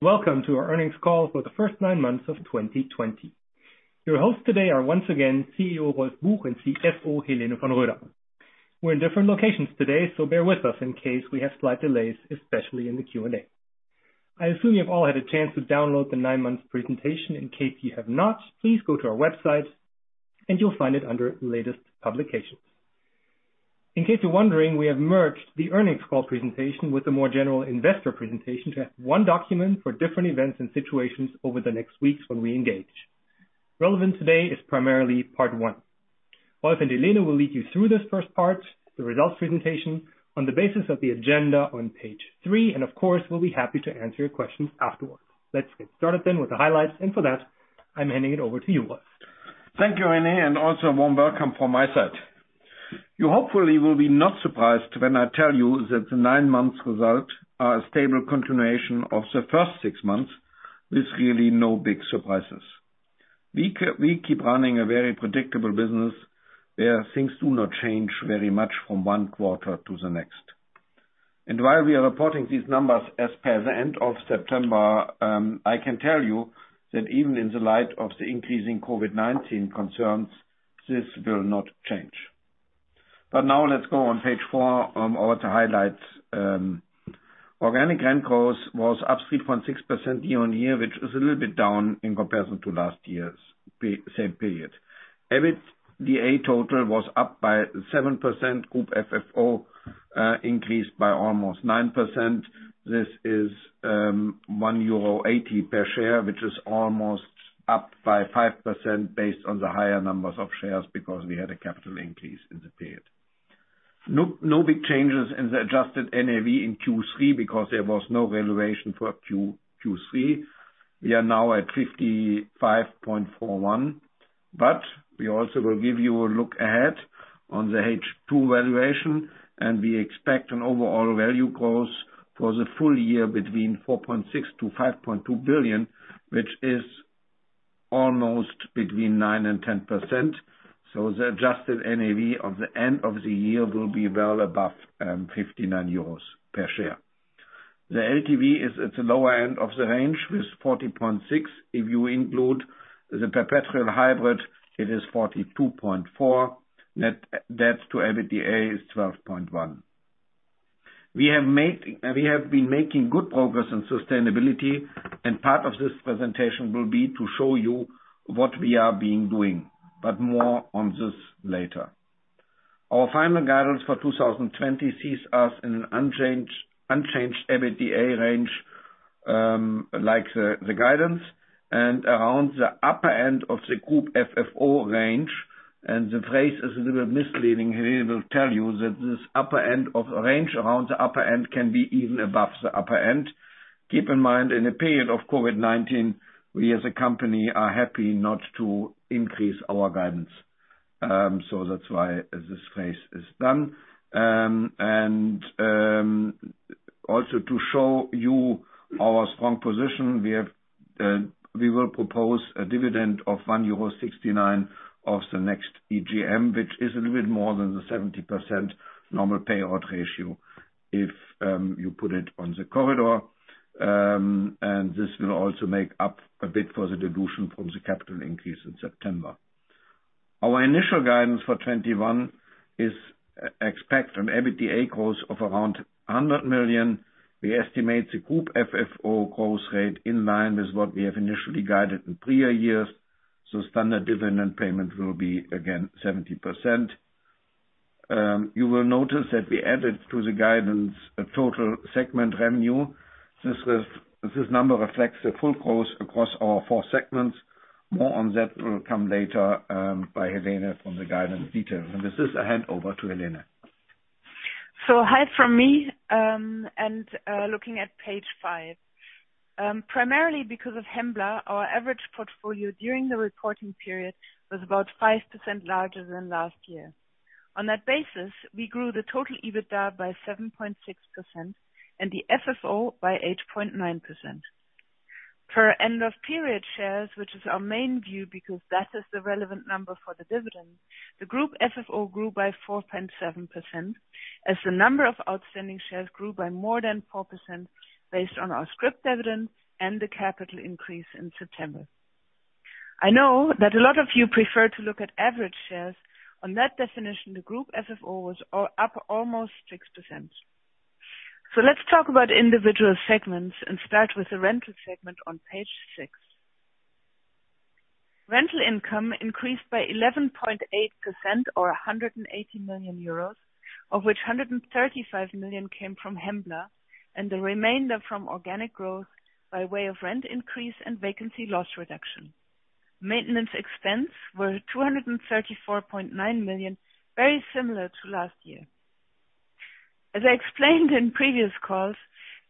Welcome to our earnings call for the first nine months of 2020. Your hosts today are once again, CEO Rolf Buch and CFO Helene von Roeder. We're in different locations today, so bear with us in case we have slight delays, especially in the Q&A. I assume you've all had a chance to download the nine months presentation. In case you have not, please go to our website and you'll find it under latest publications. In case you're wondering, we have merged the earnings call presentation with the more general investor presentation to have one document for different events and situations over the next weeks when we engage. Relevant today is primarily part one. Rolf and Helene will lead you through this first part, the results presentation, on the basis of the agenda on page three, and of course, we'll be happy to answer your questions afterwards. Let's get started then with the highlights, and for that, I'm handing it over to you, Rolf. Thank you, Rene, and also a warm welcome from my side. You hopefully will be not surprised when I tell you that the nine months result are a stable continuation of the first six months, with really no big surprises. We keep running a very predictable business, where things do not change very much from one quarter to the next. While we are reporting these numbers as per the end of September, I can tell you that even in the light of the increasing COVID-19 concerns, this will not change. Now let's go on page four, over to highlights. Organic rent growth was up 3.6% year-on-year, which was a little bit down in comparison to last year's same period. EBITDA total was up by 7%. Group FFO increased by almost 9%. This is 1.80 euro per share, which is almost up by 5% based on the higher numbers of shares because we had a capital increase in the period. No big changes in the adjusted NAV in Q3 because there was no valuation for Q3. We are now at 55.41. We also will give you a look ahead on the H2 valuation, and we expect an overall value growth for the full year between 4.6 billion-5.2 billion, which is almost between 9% and 10%. The adjusted NAV of the end of the year will be well above 59 euros per share. The LTV is at the lower end of the range with 40.6%. If you include the perpetual hybrid, it is 42.4%. net debt-to-EBITDA is 12.1x. We have been making good progress on sustainability. Part of this presentation will be to show you what we have been doing. More on this later. Our final guidance for 2020 sees us in an unchanged EBITDA range, like the guidance, and around the upper end of the group FFO range. The phrase is a little bit misleading. Helene will tell you that this upper end of range around the upper end can be even above the upper end. Keep in mind, in a period of COVID-19, we as a company are happy not to increase our guidance. That's why this phase is done. Also to show you our strong position, we will propose a dividend of 1.69 euro of the next AGM, which is a little bit more than the 70% normal payout ratio if you put it on the corridor. This will also make up a bit for the dilution from the capital increase in September. Our initial guidance for 2021 is expect an EBITDA growth of around 100 million. We estimate the group FFO growth rate in line with what we have initially guided in prior years, so standard dividend payment will be again 70%. You will notice that we added to the guidance a total segment revenue. This number reflects the full growth across our four segments. More on that will come later by Helene on the guidance detail. With this, I hand over to Helene. Hi from me, and looking at page five. Primarily because of Hembla, our average portfolio during the reporting period was about 5% larger than last year. On that basis, we grew the total EBITDA by 7.6% and the FFO by 8.9%. Per end of period shares, which is our main view because that is the relevant number for the dividend, the group FFO grew by 4.7% as the number of outstanding shares grew by more than 4% based on our scrip dividend and the capital increase in September. I know that a lot of you prefer to look at average shares. On that definition, the group FFO was up almost 6%. Let's talk about individual segments and start with the rental segment on page six. Rental income increased by 11.8% or 180 million euros, of which 135 million came from Hembla and the remainder from organic growth by way of rent increase and vacancy loss reduction. Maintenance expense were 234.9 million, very similar to last year. As I explained in previous calls,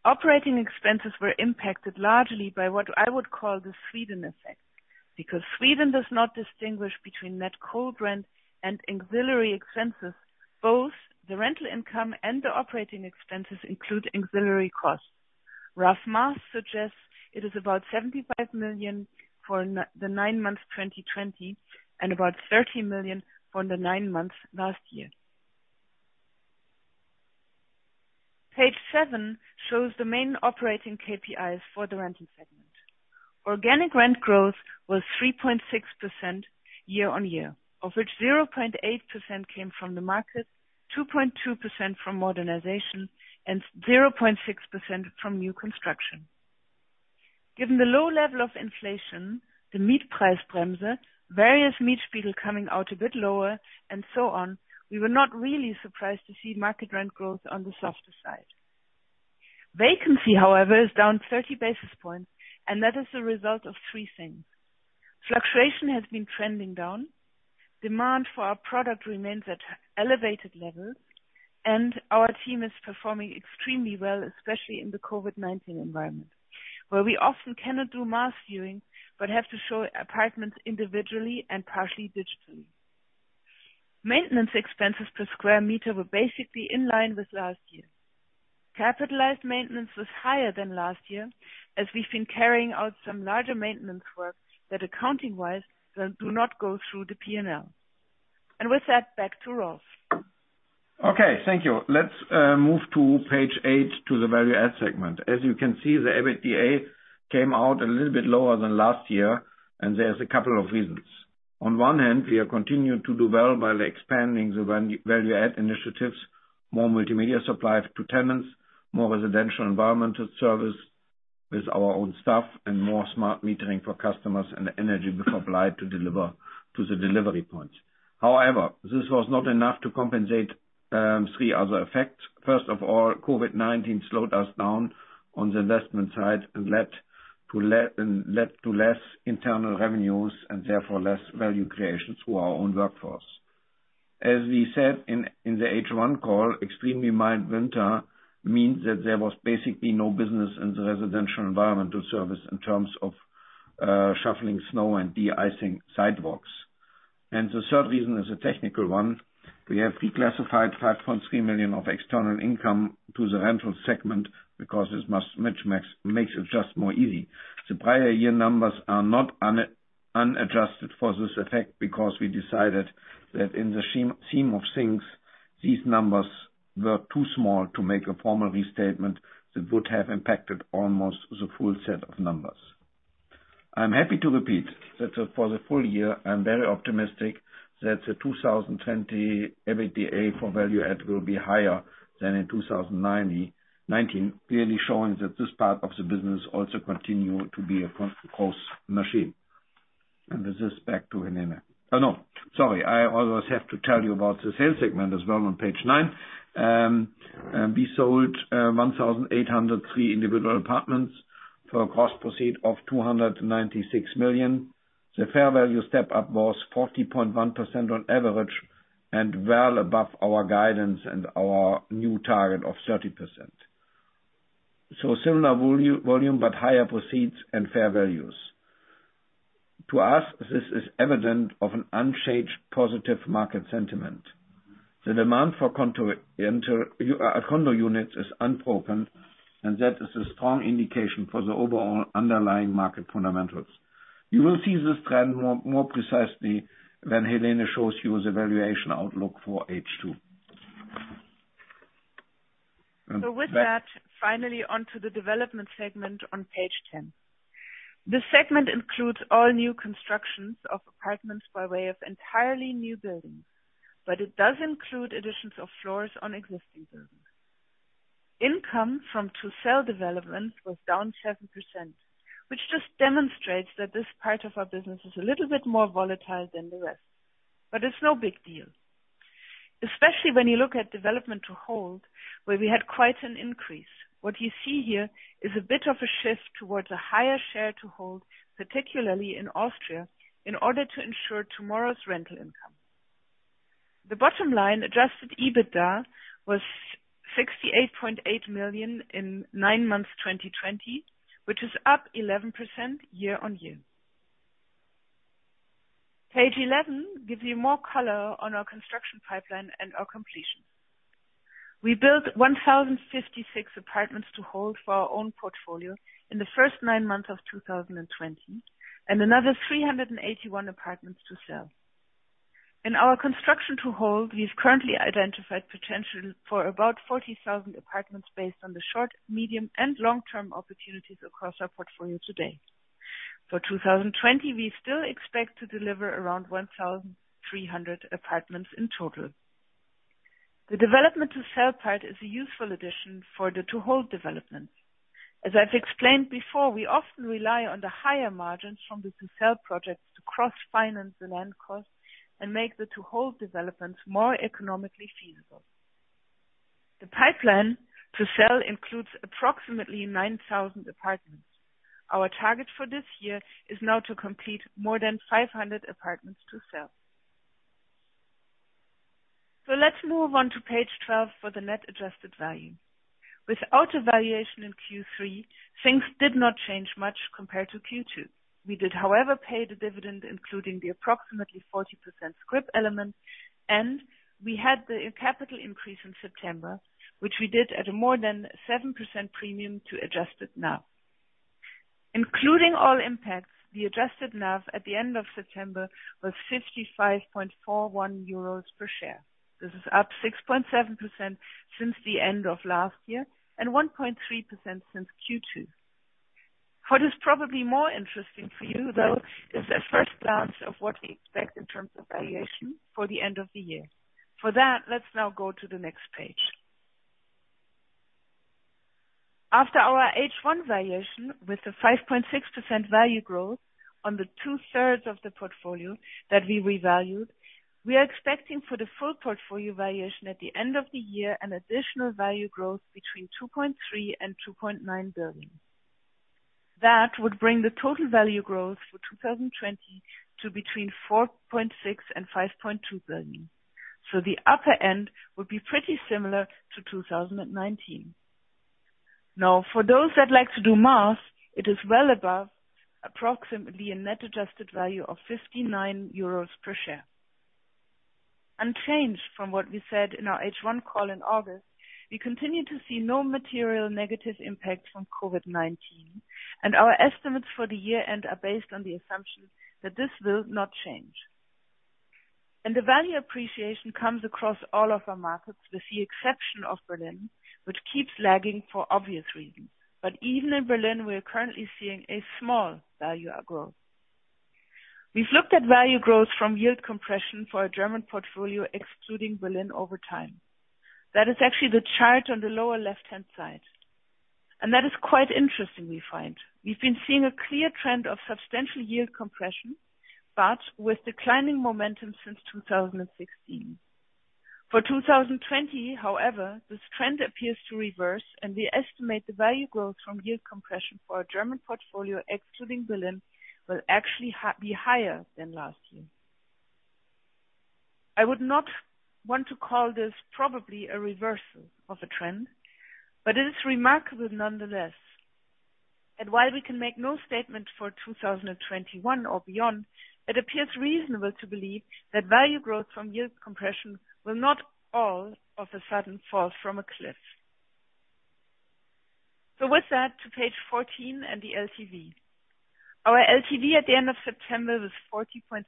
operating expenses were impacted largely by what I would call the Sweden effect. Because Sweden does not distinguish between net cold rent and auxiliary expenses, both the rental income and the operating expenses include auxiliary costs. Rough math suggests it is about 75 million for the nine months 2020 and about 13 million for the nine months last year. Page seven shows the main operating KPIs for the rental segment. Organic rent growth was 3.6% year-on-year, of which 0.8% came from the market, 2.2% from modernization, and 0.6% from new construction. Given the low level of inflation, the Mietpreisbremse, various Mietspiegel coming out a bit lower, and so on, we were not really surprised to see market rent growth on the softer side. Vacancy, however, is down 30 basis points, and that is a result of three things. Fluctuation has been trending down. Demand for our product remains at elevated levels, and our team is performing extremely well, especially in the COVID-19 environment, where we often cannot do mass viewing, but have to show apartments individually and partially digitally. Maintenance expenses per square meter were basically in line with last year. Capitalized maintenance was higher than last year, as we've been carrying out some larger maintenance work that accounting wise do not go through the P&L. With that, back to Rolf. Okay. Thank you. Let's move to page eight, to the value add segment. As you can see, the EBITDA came out a little bit lower than last year. There's a couple of reasons. On one hand, we are continuing to do well by expanding the value add initiatives, more multimedia supplied to tenants, more residential environmental service with our own staff, and more smart metering for customers, and energy being supplied to the delivery points. However, this was not enough to compensate three other effects. First of all, COVID-19 slowed us down on the investment side and led to less internal revenues, and therefore less value creation through our own workforce. As we said in the H1 call, extremely mild winter means that there was basically no business in the residential environmental service in terms of shoveling snow and de-icing sidewalks. The third reason is a technical one. We have reclassified 5.3 million of external income to the rental segment because this makes it just more easy. The prior year numbers are not adjusted for this effect because we decided that in the scheme of things, these numbers were too small to make a formal restatement that would have impacted almost the full set of numbers. I'm happy to repeat that for the full year, I'm very optimistic that the 2020 EBITDA for value add will be higher than in 2019, clearly showing that this part of the business also continue to be a cost machine. With this, back to Helene. Oh, no, sorry. I always have to tell you about the sales segment as well on page nine. We sold 1,803 individual apartments for a cost proceed of 296 million. The fair value step-up was 40.1% on average and well above our guidance and our new target of 30%. Similar volume, but higher proceeds and fair values. To us, this is evident of an unchanged positive market sentiment. The demand for condo units is unbroken, and that is a strong indication for the overall underlying market fundamentals. You will see this trend more precisely when Helene shows you the valuation outlook for H2. With that, finally on to the Development segment on page 10. This segment includes all new constructions of apartments by way of entirely new buildings, it does include additions of floors on existing buildings. Income from to-sell development was down 7%, which just demonstrates that this part of our business is a little bit more volatile than the rest. It's no big deal, especially when you look at development to hold, where we had quite an increase. What you see here is a bit of a shift towards a higher share to hold, particularly in Austria, in order to ensure tomorrow's rental income. The bottom line, adjusted EBITDA was 68.8 million in nine months 2020, which is up 11% year-on-year. Page 11 gives you more color on our construction pipeline and our completion. We built 1,056 apartments to hold for our own portfolio in the first nine months of 2020, and another 381 apartments to sell. In our construction to hold, we've currently identified potential for about 40,000 apartments based on the short, medium, and long-term opportunities across our portfolio today. For 2020, we still expect to deliver around 1,300 apartments in total. The development to sell part is a useful addition for the to-hold developments. As I've explained before, we often rely on the higher margins from the to-sell projects to cross-finance the land costs and make the to-hold developments more economically feasible. The pipeline to sell includes approximately 9,000 apartments. Our target for this year is now to complete more than 500 apartments to sell. Let's move on to page 12 for the net adjusted value. Without a valuation in Q3, things did not change much compared to Q2. We did, however, pay the dividend, including the approximately 40% scrip element, and we had the capital increase in September, which we did at a more than 7% premium to adjusted NAV. Including all impacts, the adjusted NAV at the end of September was 55.41 euros per share. This is up 6.7% since the end of last year and 1.3% since Q2. What is probably more interesting for you, though, is a first glance of what we expect in terms of valuation for the end of the year. For that, let's now go to the next page. After our H1 valuation with the 5.6% value growth on the 2/3 of the portfolio that we revalued, we are expecting for the full portfolio valuation at the end of the year an additional value growth between 2.3 billion and 2.9 billion. That would bring the total value growth for 2020 to between 4.6 billion and 5.2 billion. The upper end would be pretty similar to 2019. For those that like to do math, it is well above approximately a net adjusted value of 59 euros per share. Unchanged from what we said in our H1 call in August, we continue to see no material negative impact from COVID-19, and our estimates for the year end are based on the assumption that this will not change. The value appreciation comes across all of our markets, with the exception of Berlin, which keeps lagging for obvious reasons. Even in Berlin, we are currently seeing a small value growth. We've looked at value growth from yield compression for our German portfolio, excluding Berlin over time. That is actually the chart on the lower left-hand side. That is quite interesting, we find. We've been seeing a clear trend of substantial yield compression, but with declining momentum since 2016. For 2020, however, this trend appears to reverse, and we estimate the value growth from yield compression for our German portfolio, excluding Berlin, will actually be higher than last year. I would not want to call this probably a reversal of a trend, but it is remarkable nonetheless. While we can make no statement for 2021 or beyond, it appears reasonable to believe that value growth from yield compression will not all of a sudden fall from a cliff. With that, to page 14 and the LTV. Our LTV at the end of September was 40.6%,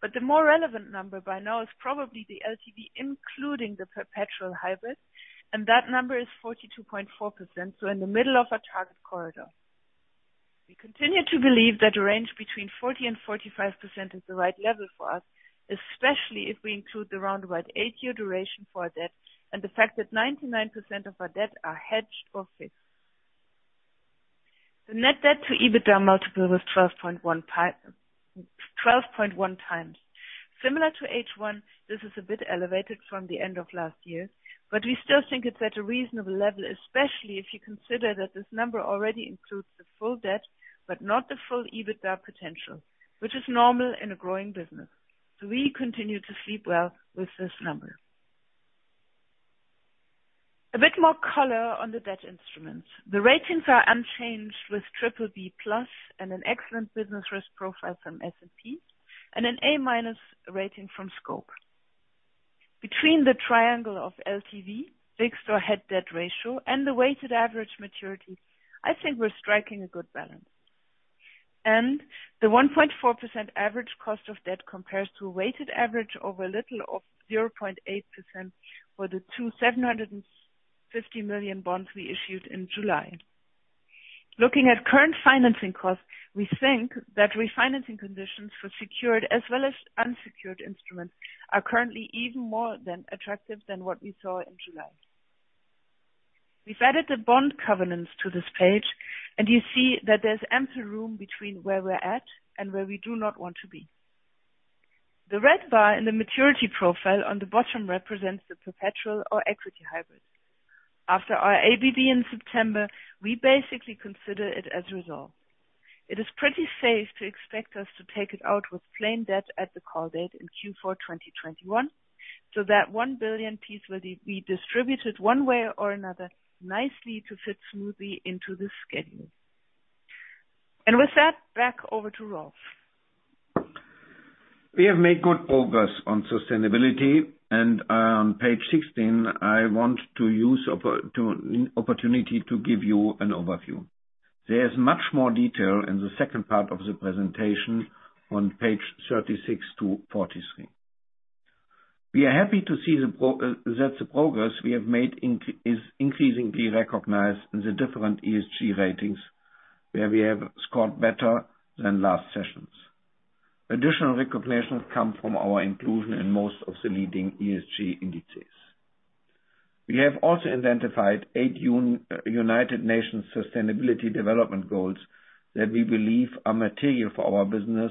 but the more relevant number by now is probably the LTV, including the perpetual hybrid, and that number is 42.4%, so in the middle of our target corridor. We continue to believe that a range between 40% and 45% is the right level for us, especially if we include the roundabout eight-year duration for our debt and the fact that 99% of our debt are hedged or fixed. The net debt-to-EBITDA multiple was 12.1x. Similar to H1, this is a bit elevated from the end of last year, but we still think it's at a reasonable level, especially if you consider that this number already includes the full debt but not the full EBITDA potential, which is normal in a growing business. We continue to sleep well with this number. A bit more color on the debt instruments. The ratings are unchanged with BBB+ and an excellent business risk profile from S&P and an A- rating from Scope. Between the triangle of LTV, fixed or net debt ratio, and the weighted average maturity, I think we're striking a good balance. The 1.4% average cost of debt compares to a weighted average of a little of 0.8% for the two 750 million bonds we issued in July. Looking at current financing costs, we think that refinancing conditions for secured as well as unsecured instruments are currently even more than attractive than what we saw in July. We've added the bond covenants to this page, and you see that there's ample room between where we're at and where we do not want to be. The red bar in the maturity profile on the bottom represents the perpetual or equity hybrid. After our CMD in September, we basically consider it as resolved. It is pretty safe to expect us to take it out with plain debt at the call date in Q4 2021, so that 1 billion piece will be distributed one way or another nicely to fit smoothly into the schedule. With that, back over to Rolf. We have made good progress on sustainability, and on page 16, I want to use opportunity to give you an overview. There is much more detail in the second part of the presentation on page 36-43. We are happy to see that the progress we have made is increasingly recognized in the different ESG ratings, where we have scored better than last sessions. Additional recognitions come from our inclusion in most of the leading ESG indices. We have also identified eight United Nations Sustainable Development Goals that we believe are material for our business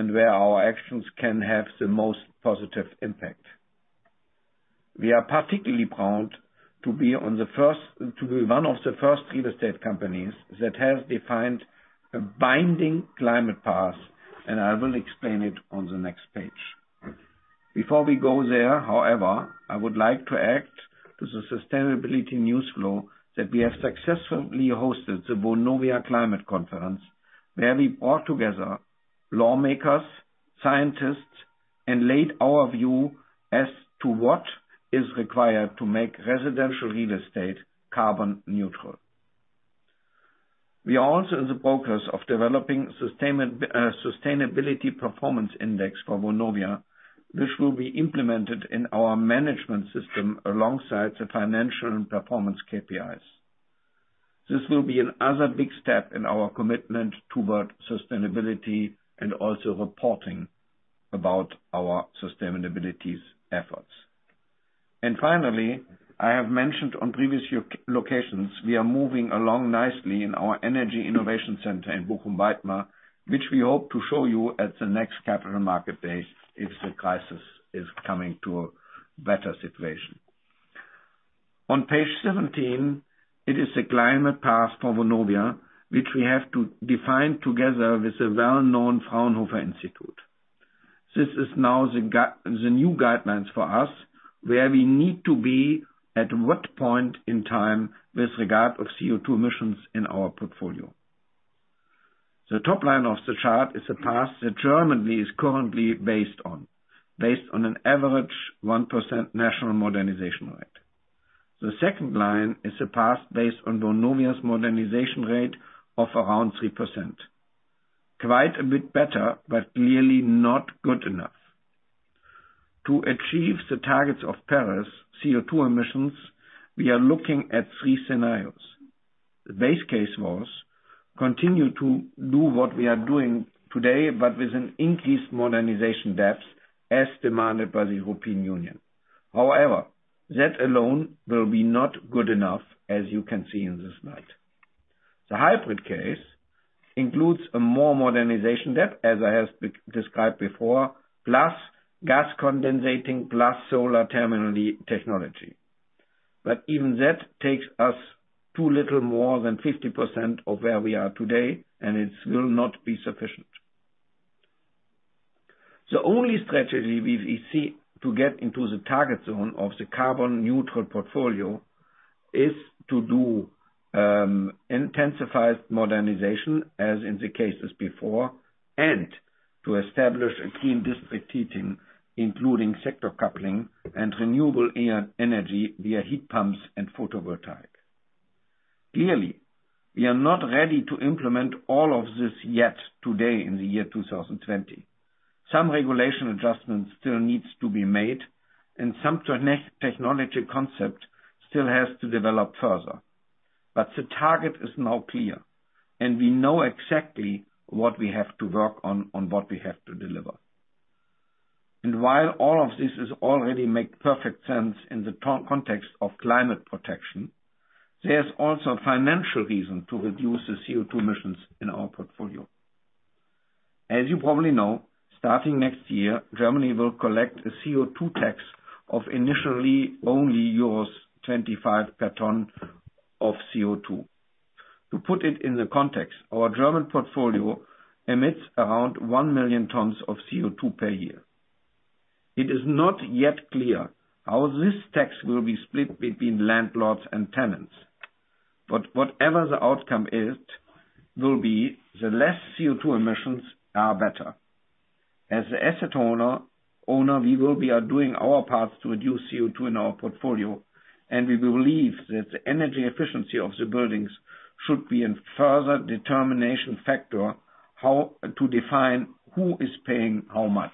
and where our actions can have the most positive impact. We are particularly proud to be one of the first real estate companies that has defined a binding climate path, and I will explain it on the next page. Before we go there, however, I would like to add to the sustainability news flow that we have successfully hosted the Vonovia Climate Conference, where we brought together lawmakers, scientists, and laid our view as to what is required to make residential real estate carbon neutral. We are also in the process of developing a Sustainability Performance Index for Vonovia, which will be implemented in our management system alongside the financial and performance KPIs. This will be another big step in our commitment toward sustainability and also reporting about our sustainability's efforts. Finally, I have mentioned on previous locations, we are moving along nicely in our Energy Innovation Center in Bochum, Weitmar, which we hope to show you at the next Capital Markets Day if the crisis is coming to a better situation. On page 17, it is the climate path for Vonovia, which we have to define together with the well-known Fraunhofer Institute. This is now the new guidelines for us, where we need to be, at what point in time, with regard of CO2 emissions in our portfolio. The top-line of the chart is the path that Germany is currently based on, based on an average 1% national modernization rate. The second line is a path based on Vonovia's modernization rate of around 3%. Quite a bit better, but clearly not good enough. To achieve the targets of Paris CO2 emissions, we are looking at three scenarios. The base case was continue to do what we are doing today, but with an increased modernization depth as demanded by the European Union. However, that alone will be not good enough, as you can see in this slide. The hybrid case includes a more modernization depth, as I have described before, plus gas condensing, plus solar technology. Even that takes us too little more than 50% of where we are today, and it will not be sufficient. The only strategy we see to get into the target zone of the carbon neutral portfolio is to do intensified modernization, as in the cases before, and to establish a clean district heating, including sector coupling and renewable energy via heat pumps and photovoltaic. Clearly, we are not ready to implement all of this yet today in the year 2020. Some regulation adjustments still needs to be made, and some technology concept still has to develop further. The target is now clear, and we know exactly what we have to work on and what we have to deliver. While all of this already make perfect sense in the context of climate protection, there's also a financial reason to reduce the CO2 emissions in our portfolio. As you probably know, starting next year, Germany will collect a CO2 tax of initially only euros 25 per ton of CO2. To put it in the context, our German portfolio emits around 1 million tons of CO2 per year. It is not yet clear how this tax will be split between landlords and tenants. Whatever the outcome will be, the less CO2 emissions are better. As the asset owner, we will be doing our part to reduce CO2 in our portfolio, and we believe that the energy efficiency of the buildings should be a further determination factor to define who is paying how much.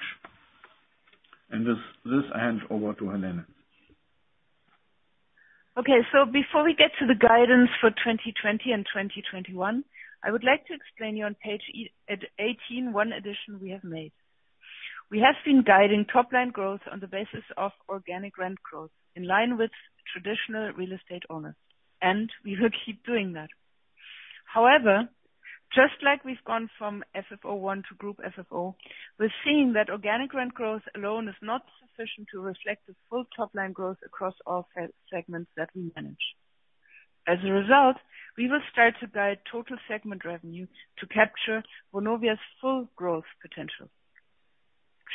With this, I hand over to Helene. Okay, before we get to the guidance for 2020 and 2021, I would like to explain to you on page 18 one addition we have made. We have been guiding top-line growth on the basis of organic rent growth, in line with traditional real estate owners, and we will keep doing that. However, just like we've gone from FFO 1 to group FFO, we're seeing that organic rent growth alone is not sufficient to reflect the full top line growth across all segments that we manage. As a result, we will start to guide total segment revenue to capture Vonovia's full growth potential.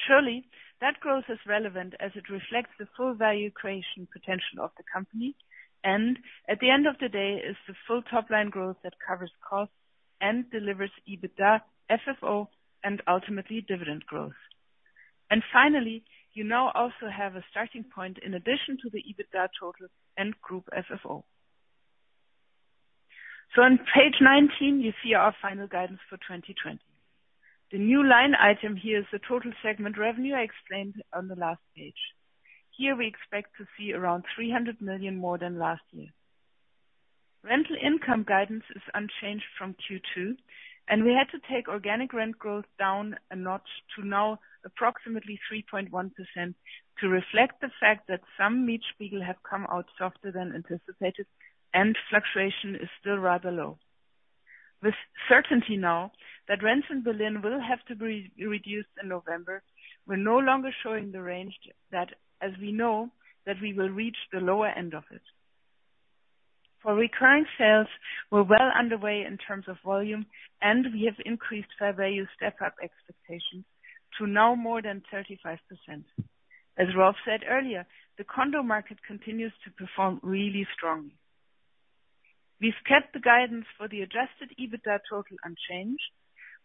Surely, that growth is relevant as it reflects the full value creation potential of the company and, at the end of the day, is the full top-line growth that covers costs and delivers EBITDA, FFO, and ultimately, dividend growth. Finally, you now also have a starting point in addition to the EBITDA total and group FFO. On page 19, you see our final guidance for 2020. The new line item here is the total segment revenue I explained on the last page. Here, we expect to see around 300 million more than last year. Rental income guidance is unchanged from Q2, and we had to take organic rent growth down a notch to now approximately 3.1% to reflect the fact that some Mietspiegel have come out softer than anticipated, and fluctuation is still rather low. With certainty now that rents in Berlin will have to be reduced in November, we're no longer showing the range that as we know that we will reach the lower end of it. For recurring sales, we're well underway in terms of volume, and we have increased fair value step-up expectations to now more than 35%. As Rolf said earlier, the condo market continues to perform really strongly. We've kept the guidance for the adjusted EBITDA total unchanged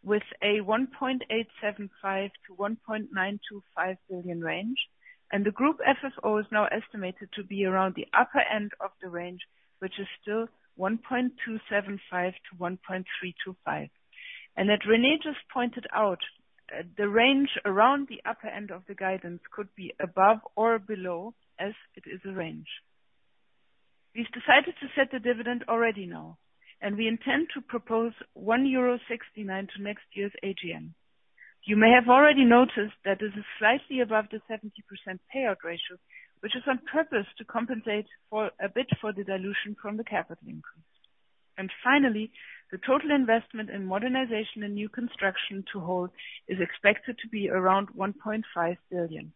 with a 1.875-1.925 billion range. The group FFO is now estimated to be around the upper end of the range, which is still 1.275-1.325. As Rene just pointed out, the range around the upper end of the guidance could be above or below as it is a range. We've decided to set the dividend already now, and we intend to propose 1.69 euro to next year's AGM. You may have already noticed that this is slightly above the 70% payout ratio, which is on purpose to compensate a bit for the dilution from the capital increase. Finally, the total investment in modernization and new construction to hold is expected to be around 1.5 billion.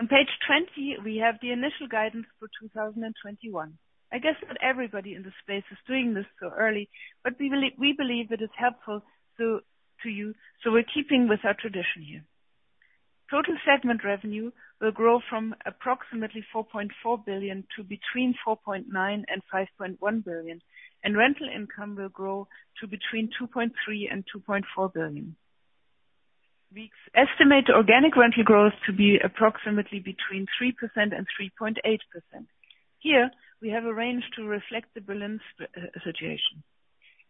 On page 20, we have the initial guidance for 2021. I guess not everybody in this space is doing this so early, but we believe it is helpful to you, so we're keeping with our tradition here. Total segment revenue will grow from approximately 4.4 billion to between 4.9 billion and 5.1 billion. Rental income will grow to between 2.3 billion and 2.4 billion. We estimate organic rental growth to be approximately between 3% and 3.8%. Here, we have a range to reflect the Berlin situation.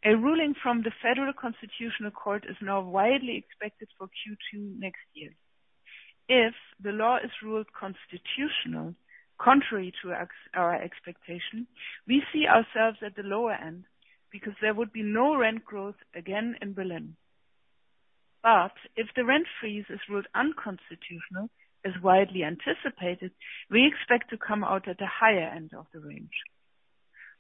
A ruling from the Federal Constitutional Court is now widely expected for Q2 next year. If the law is ruled constitutional, contrary to our expectation, we see ourselves at the lower end because there would be no rent growth again in Berlin. If the rent-freeze is ruled unconstitutional, as widely anticipated, we expect to come out at the higher end of the range.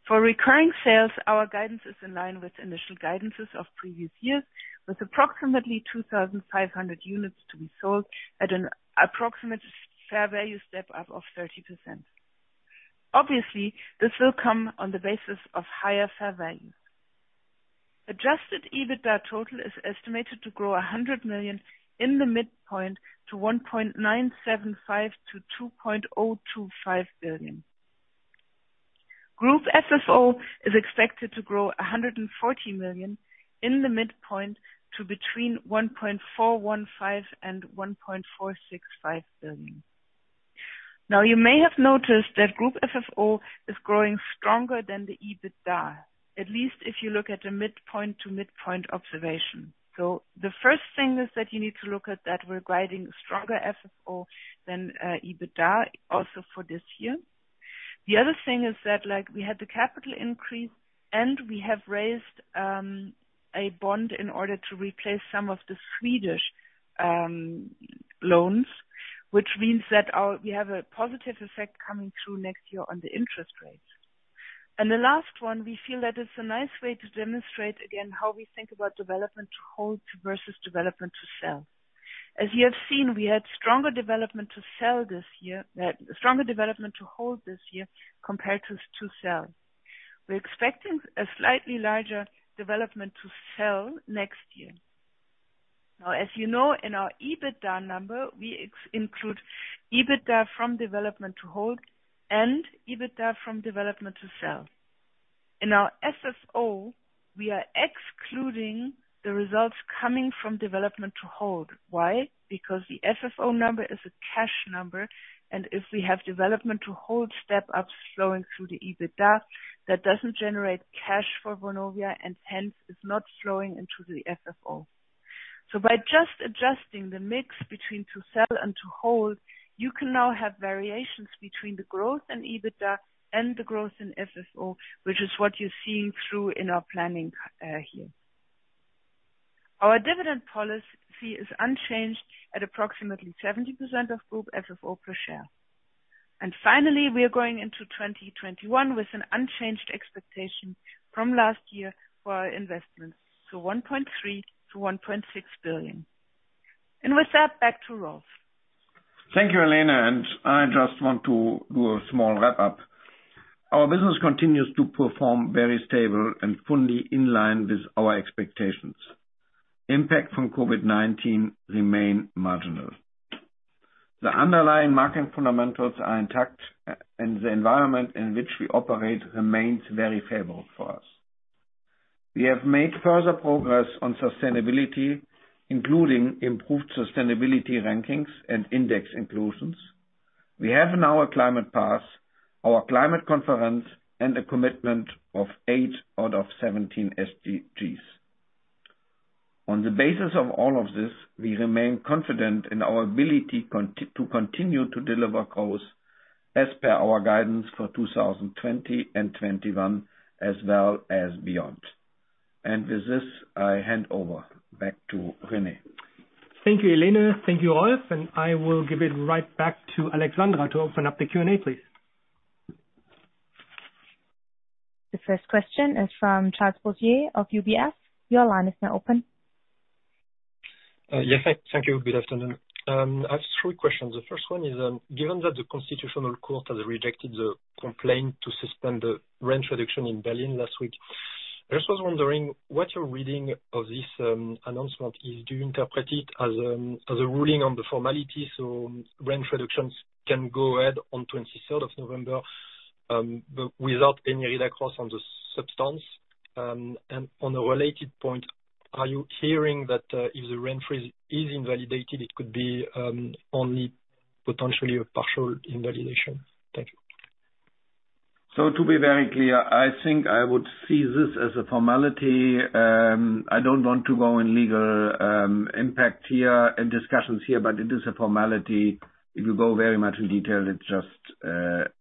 For recurring sales, our guidance is in line with initial guidances of previous years, with approximately 2,500 units to be sold at an approximate fair value step-up of 30%. Obviously, this will come on the basis of higher fair value. Adjusted EBITDA total is estimated to grow 100 million in the midpoint to 1.975 billion-2.025 billion. Group FFO is expected to grow 140 million in the midpoint to between 1.415 billion and 1.465 billion. You may have noticed that group FFO is growing stronger than the EBITDA, at least if you look at a midpoint-to-midpoint observation. The first thing is that you need to look at that we're guiding stronger FFO than EBITDA also for this year. The other thing is that we had the capital increase, and we have raised a bond in order to replace some of the Swedish loans, which means that we have a positive effect coming through next year on the interest rates. The last one, we feel that it's a nice way to demonstrate again how we think about development to hold versus development to sell. As you have seen, we had stronger development to hold this year compared to to sell. We're expecting a slightly larger development to sell next year. As you know, in our EBITDA number, we include EBITDA from development to hold and EBITDA from development to sell. In our FFO, we are excluding the results coming from development to hold. Why? The FFO number is a cash number, and if we have development to hold step-ups flowing through the EBITDA, that doesn't generate cash for Vonovia and hence is not flowing into the FFO. By just adjusting the mix between to sell and to hold, you can now have variations between the growth in EBITDA and the growth in FFO, which is what you're seeing through in our planning here. Our dividend policy is unchanged at approximately 70% of group FFO per share. Finally, we are going into 2021 with an unchanged expectation from last year for our investments to 1.3 billion-1.6 billion. With that, back to Rolf. Thank you, Helene. I just want to do a small wrap-up. Our business continues to perform very stable and fully in line with our expectations. Impact from COVID-19 remain marginal. The underlying market fundamentals are intact, and the environment in which we operate remains very favorable for us. We have made further progress on sustainability, including improved sustainability rankings and index inclusions. We have now a climate path, our Climate Conference, and a commitment of eight out of 17 SDGs. On the basis of all of this, we remain confident in our ability to continue to deliver growth as per our guidance for 2020 and 2021, as well as beyond. With this, I hand over back to Rene. Thank you, Helene. Thank you, Rolf. I will give it right back to Alexandra to open up the Q&A, please. The first question is from Charles Boissier of UBS. Your line is now open. Yes, thank you. Good afternoon. I have three questions. The first one is, given that the Constitutional Court has rejected the complaint to suspend the rent reduction in Berlin last week, I just was wondering what your reading of this announcement is? Do you interpret it as a ruling on the formality so rent reductions can go ahead on 23rd of November, but without any read-across on the substance? On a related point, are you hearing that if the rent-freeze is invalidated, it could be only potentially a partial invalidation? Thank you. To be very clear, I think I would see this as a formality. I don't want to go in legal impact here and discussions here, but it is a formality. If you go very much in detail,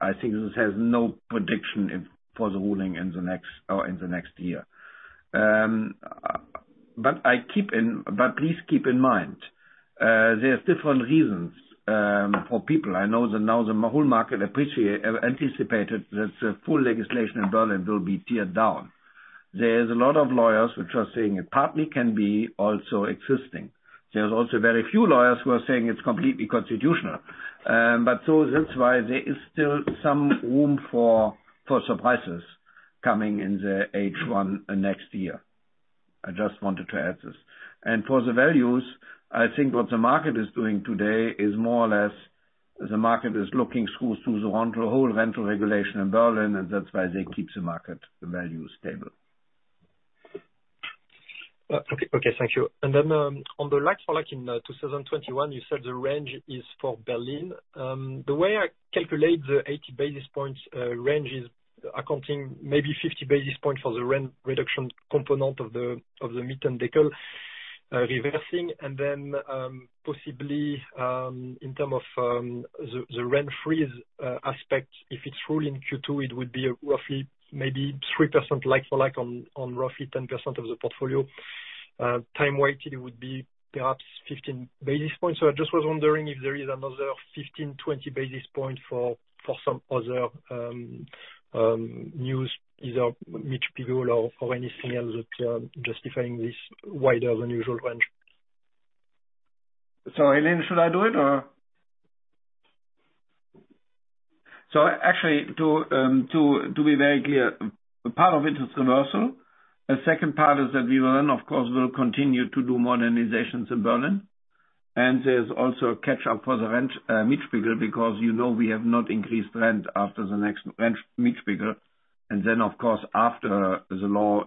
I think this has no prediction for the ruling in the next year. Please keep in mind, there's different reasons for people. I know that now the whole market anticipated that the full legislation in Berlin will be torn down. There's a lot of lawyers which are saying it partly can be also existing. There's also very few lawyers who are saying it's completely constitutional. That's why there is still some room for surprises coming in the H1 next year. I just wanted to add this. For the values, I think what the market is doing today is more or less, the market is looking through the whole rental regulation in Berlin, and that's why they keep the market, the value stable. Okay. Thank you. On the like-for-like in 2021, you said the range is for Berlin. The way I calculate the 80 basis points range is accounting maybe 50 basis points for the rent reduction component of the Mietendeckel reversing and then possibly, in term of the rent-freeze aspect, if it's ruled in Q2, it would be roughly maybe 3% like-for-like on roughly 10% of the portfolio. Time weighted, it would be perhaps 15 basis points. I just was wondering if there is another 15, 20 basis point for some other news, either Mietspiegel or anything else that justifying this wider than usual range. Helene, should I do it or? Actually, to be very clear, part of it is commercial. The second part is that we will then, of course, will continue to do modernizations in Berlin. There's also a catch-up for the Mietspiegel because you know we have not increased rent after the next Mietspiegel. Then, of course, after the law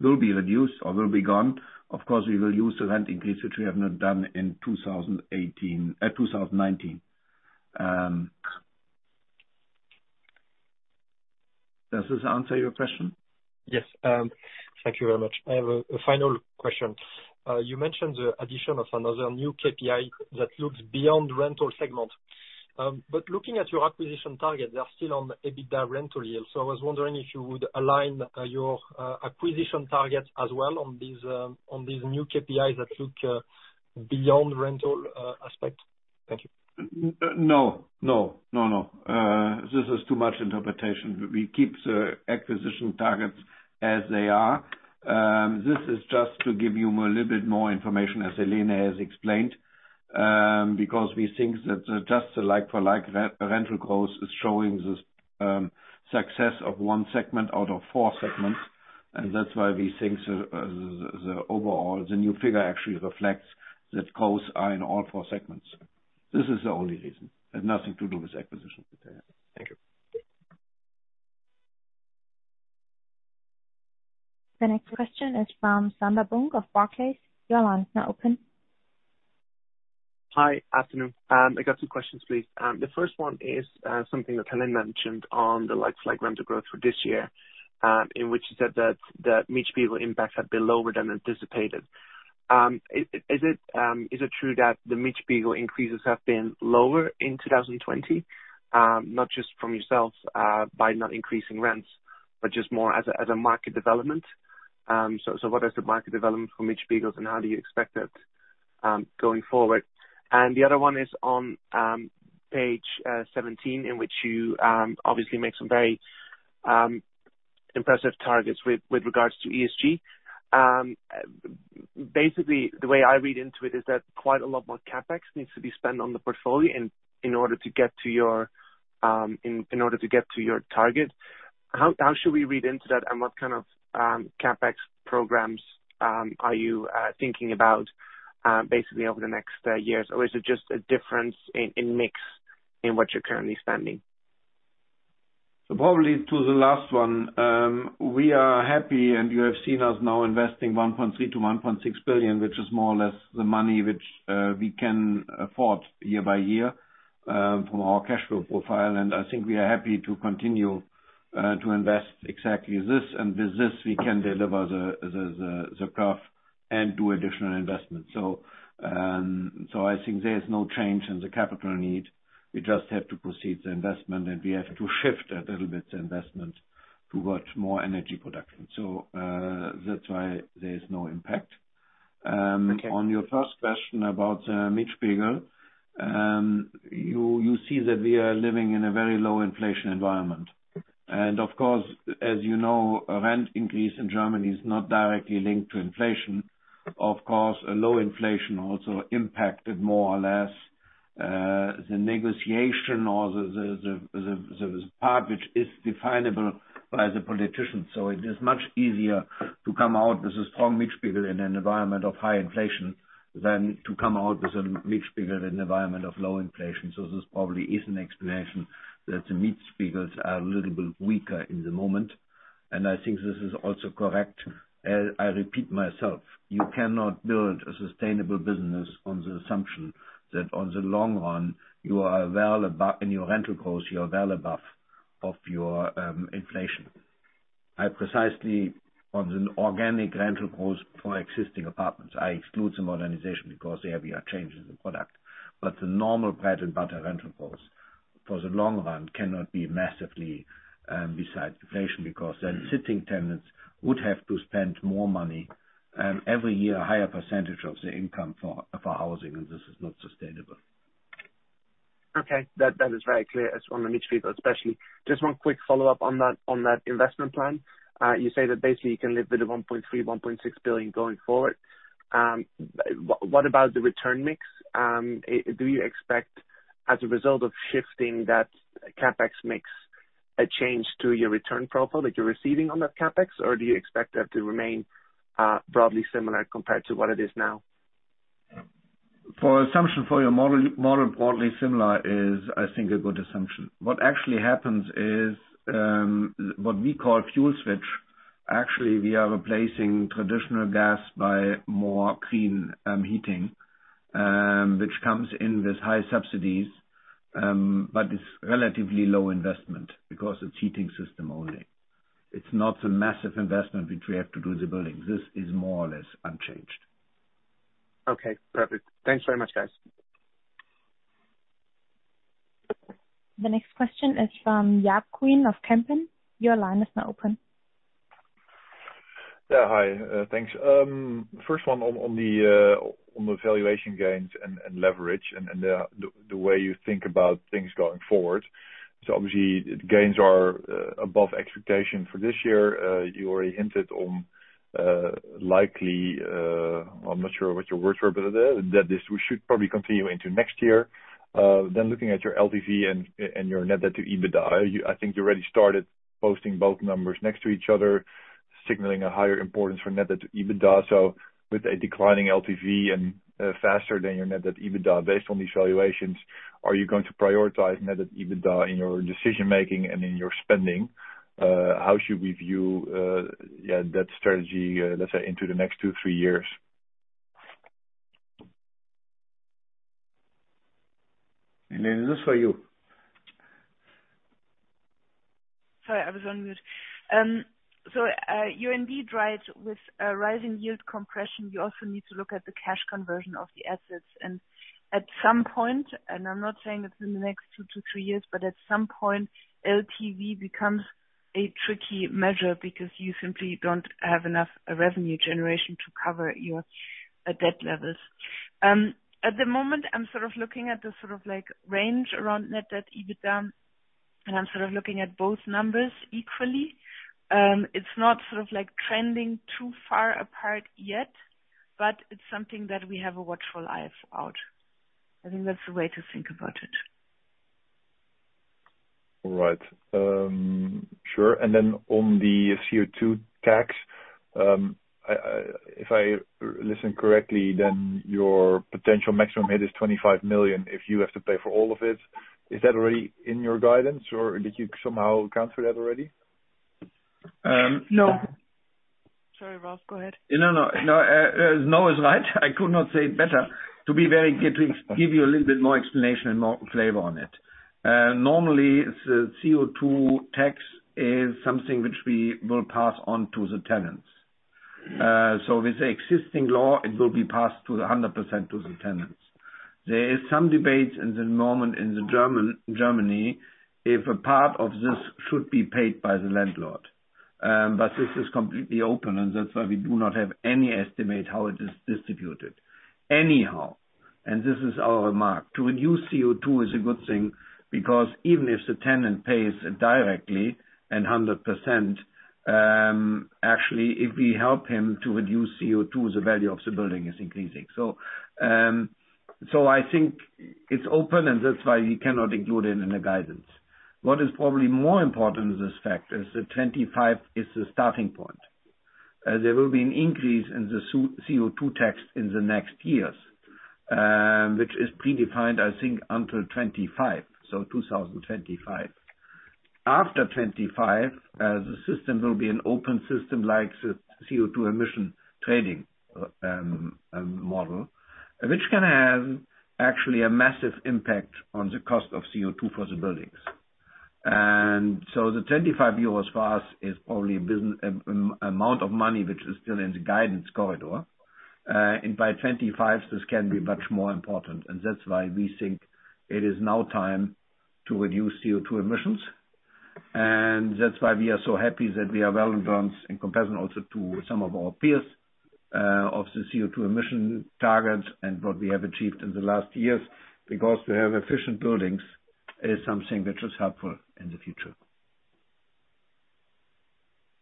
will be reduced or will be gone, of course, we will use the rent increase, which we have not done in 2019. Does this answer your question? Yes. Thank you very much. I have a final question. You mentioned the addition of another new KPI that looks beyond rental segment. Looking at your acquisition target, they are still on EBITDA rental yield. I was wondering if you would align your acquisition targets as well on these new KPIs that look beyond rental aspect. Thank you. No. This is too much interpretation. We keep the acquisition targets as they are. This is just to give you a little bit more information, as Helene has explained, because we think that just the like-for-like rental growth is showing the success of one segment out of four segments, and that's why we think the overall, the new figure actually reflects that costs are in all four segments. This is the only reason. It has nothing to do with acquisitions. Thank you. The next question is from Sander Bunck of Barclays. Your line is now open. Hi. Afternoon. I got two questions, please. The first one is something that Helene mentioned on the like-for-like rental growth for this year, in which you said that Mietspiegel impact had been lower than anticipated. Is it true that the Mietspiegel increases have been lower in 2020, not just from yourselves, by not increasing rents, but just more as a market development? What is the market development for Mietspiegel and how do you expect it going forward? The other one is on page 17, in which you obviously make some very impressive targets with regards to ESG. Basically, the way I read into it is that quite a lot more CapEx needs to be spent on the portfolio in order to get to your target. How should we read into that and what kind of CapEx programs are you thinking about basically over the next years? Is it just a difference in mix in what you're currently spending? Probably to the last one. We are happy, and you have seen us now investing 1.3 billion-1.6 billion, which is more or less the money which we can afford year by year from our cash flow profile. I think we are happy to continue to invest exactly this. With this, we can deliver the growth and do additional investment. I think there is no change in the capital need. We just have to proceed the investment, and we have to shift a little bit the investment towards more energy production. That's why there's no impact. Okay. On your first question about Mietspiegel, you see that we are living in a very low inflation environment. Of course, as you know, a rent increase in Germany is not directly linked to inflation. Of course, a low inflation also impacted more or less the negotiation or the part which is definable by the politicians. It is much easier to come out with a strong mixed figure in an environment of high inflation than to come out with a mixed figure in an environment of low inflation. This probably is an explanation that the mixed figures are a little bit weaker in the moment, and I think this is also correct. I repeat myself, you cannot build a sustainable business on the assumption that in the long run, in your rental cost, you are well above of your inflation. I precisely, on the organic rental cost for existing apartments, I exclude the modernization because there we are changing the product. The normal bread-and-butter rental cost for the long run cannot be massively beyond inflation, because then sitting tenants would have to spend more money every year, a higher percentage of their income for housing, and this is not sustainable. Okay. That is very clear on the mixed figure, especially. Just one quick follow-up on that investment plan. You say that basically you can live with the 1.3, 1.6 billion going forward. What about the return mix? Do you expect as a result of shifting that CapEx mix a change to your return profile that you're receiving on that CapEx? Or do you expect that to remain broadly similar compared to what it is now? For assumption for your model, broadly similar is, I think, a good assumption. What actually happens is what we call fuel switch. We are replacing traditional gas by more clean heating, which comes in with high subsidies, but it's relatively low investment because it's heating system only. It's not a massive investment which we have to do the building. This is more or less unchanged. Okay, perfect. Thanks very much, guys. The next question is from Jaap Kuin of Kempen. Your line is now open. Yeah. Hi, thanks. First one on the valuation gains and leverage and the way you think about things going forward. Obviously, gains are above expectation for this year. You already hinted on likely, I'm not sure what your words were, but that this should probably continue into next year. Looking at your LTV and your net debt-to-EBITDA, I think you already started posting both numbers next to each other, signaling a higher importance for net debt-to-EBITDA. With a declining LTV and faster than your net debt-to-EBITDA, based on these valuations, are you going to prioritize net debt-to-EBITDA in your decision-making and in your spending? How should we view that strategy, let's say, into the next two, three years? Helene, this is for you. Sorry, I was on mute. You are indeed right. With a rising yield compression, you also need to look at the cash conversion of the assets. At some point, and I'm not saying it's in the next two to three years, but at some point, LTV becomes a tricky measure because you simply don't have enough revenue generation to cover your debt levels. At the moment, I'm looking at the range around net debt EBITDA, and I'm looking at both numbers equally. It's not trending too far apart yet, but it's something that we have a watchful eye out. I think that's the way to think about it. All right. Sure. On the CO2 tax, if I listen correctly, then your potential maximum hit is 25 million if you have to pay for all of it. Is that already in your guidance, or did you somehow counter that already? No. Sorry, Rolf, go ahead. No. No is right. I could not say it better. To give you a little bit more explanation and more flavor on it. Normally, the CO2 tax is something which we will pass on to the tenants. With the existing law, it will be passed to the 100% to the tenants. There is some debate in the moment in Germany, if a part of this should be paid by the landlord. This is completely open, and that's why we do not have any estimate how it is distributed. Anyhow, this is our mark. To reduce CO2 is a good thing because even if the tenant pays directly and 100%, actually, if we help him to reduce CO2, the value of the building is increasing. I think it's open, and that's why we cannot include it in the guidance. What is probably more important is this fact is the 25 is the starting point. There will be an increase in the CO2 tax in the next years, which is predefined, I think, until 2025, so 2025. After 2025, the system will be an open system like the CO2 emission trading model. Which can have actually a massive impact on the cost of CO2 for the buildings. The 25 euros for us is only amount of money which is still in the guidance corridor. By 2025, this can be much more important. That's why we think it is now time to reduce CO2 emissions. That's why we are so happy that we are well advanced in comparison also to some of our peers of the CO2 emission targets and what we have achieved in the last years. To have efficient buildings is something which is helpful in the future.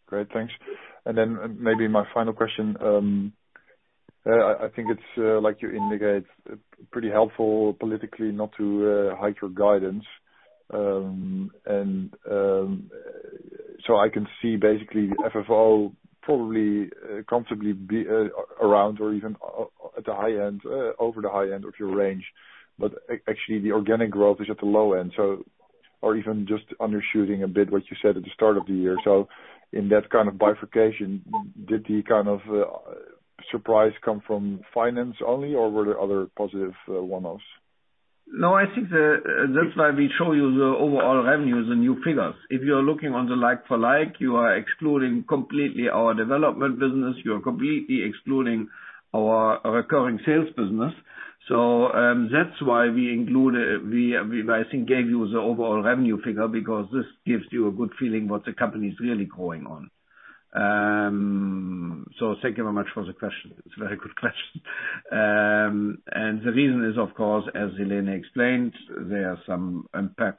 Great. Thanks. Maybe my final question. I think it's, like you indicate, pretty helpful politically not to hike your guidance. I can see basically FFO probably comfortably be around or even at the high end, over the high end of your range. Actually the organic growth is at the low end. Even just undershooting a bit what you said at the start of the year. In that kind of bifurcation, did the kind of surprise come from finance only, or were there other positive one-offs? I think that's why we show you the overall revenues and new figures. If you are looking on the like-for-like, you are excluding completely our development business, you are completely excluding our recurring sales business. That's why we include, I think, gave you the overall revenue figure because this gives you a good feeling what the company is really going on. Thank you very much for the question. It's a very good question. The reason is, of course, as Helene explained, there are some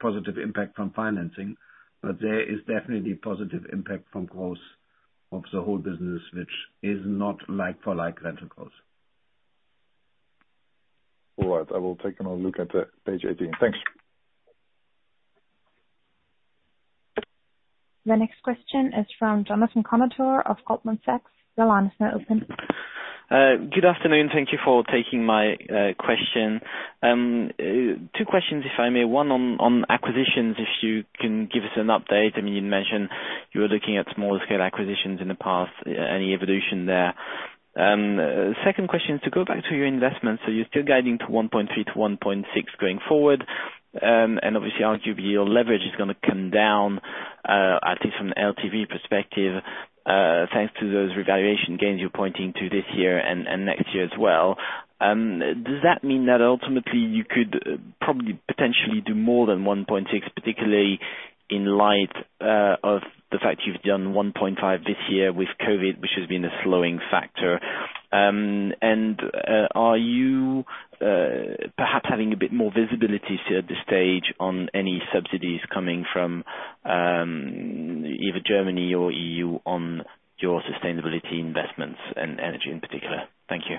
positive impact from financing, but there is definitely positive impact from growth of the whole business, which is not like-for-like rental growth. All right. I will take another look at page 18. Thanks. The next question is from Jonathan Kownator of Goldman Sachs. Your line is now open. Good afternoon. Thank you for taking my question. Two questions if I may. One on acquisitions, if you can give us an update. You mentioned you were looking at smaller scale acquisitions in the past, any evolution there? Second question is to go back to your investments. You're still guiding to 1.3-1.6 going forward. Obviously, arguably, your leverage is going to come down, at least from an LTV perspective, thanks to those revaluation gains you're pointing to this year and next year as well. Does that mean that ultimately you could probably potentially do more than 1.6, particularly in light of the fact you've done 1.5 this year with COVID, which has been a slowing factor? Are you perhaps having a bit more visibility at this stage on any subsidies coming from either Germany or EU on your sustainability investments and energy in particular? Thank you.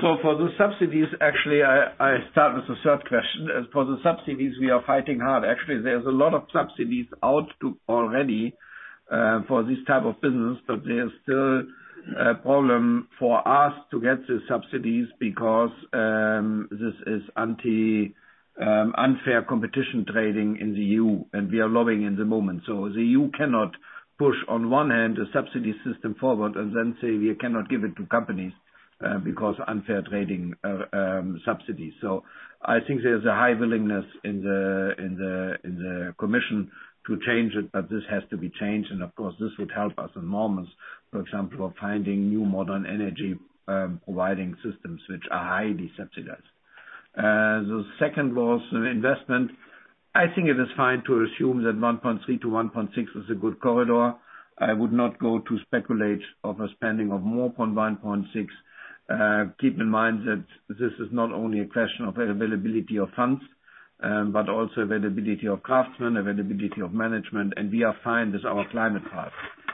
For the subsidies, actually, I start with the third question. As for the subsidies, we are fighting hard. Actually, there's a lot of subsidies out already for this type of business, but there's still a problem for us to get the subsidies because this is unfair competition trading in the EU, and we are lobbying at the moment. The EU cannot push on one hand a subsidy system forward and then say we cannot give it to companies because unfair trading subsidies. I think there is a high willingness in the Commission to change it, but this has to be changed and of course this would help us enormously. For example, finding new modern energy providing systems which are highly subsidized. The second was investment. I think it is fine to assume that 1.3-1.6 is a good corridor. I would not go to speculate of a spending of more than 1.6. Keep in mind that this is not only a question of availability of funds, but also availability of craftsmen, availability of management, and we are fine with our climate path.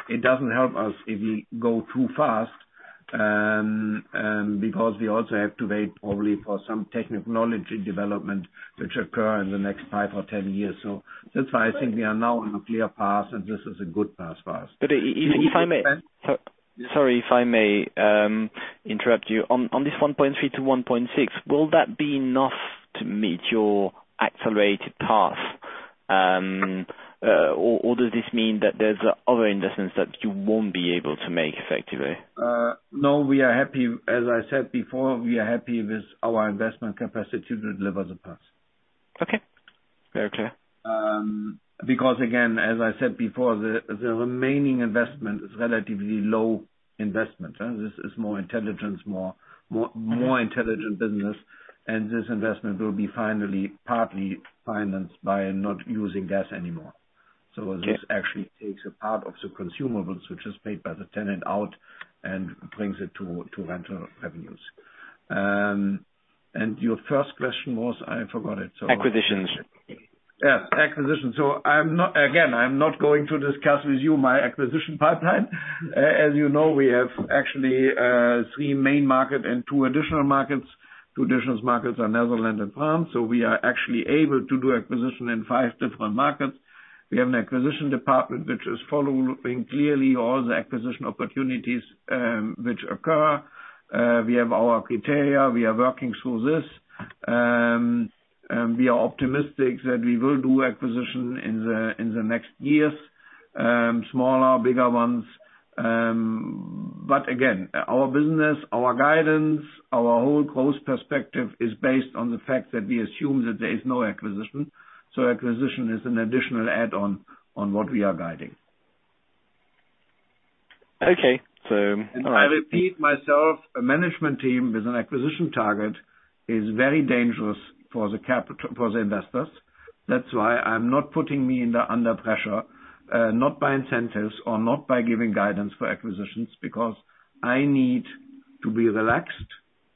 It doesn't help us if we go too fast, because we also have to wait probably for some technology development which occur in the next five or 10 years. That's why I think we are now on a clear path and this is a good path for us. Sorry if I may interrupt you. On this 1.3-1.6, will that be enough to meet your accelerated path? Does this mean that there's other investments that you won't be able to make effectively? No, as I said before, we are happy with our investment capacity to deliver the path. Okay. Very clear. Again, as I said before, the remaining investment is relatively low investment. This is more intelligent business and this investment will be finally partly financed by not using gas anymore. Yes. This actually takes a part of the consumables which is paid by the tenant out and brings it to rental revenues. Your first question was, I forgot it. Acquisitions. Yes, acquisitions. I am not going to discuss with you my acquisition pipeline. As you know, we have actually three main markets and two additional markets. Two additional markets are Netherlands and France. We are actually able to do acquisitions in five different markets. We have an acquisition department which is following clearly all the acquisition opportunities which occur. We have our criteria. We are working through this. We are optimistic that we will do acquisitions in the next years, smaller, bigger ones. Again, our business, our guidance, our whole growth perspective is based on the fact that we assume that there is no acquisition. Acquisition is an additional add-on on what we are guiding. Okay. All right. I repeat myself, a management team with an acquisition target is very dangerous for the investors. That's why I'm not putting me under pressure, not by incentives or not by giving guidance for acquisitions because I need to be relaxed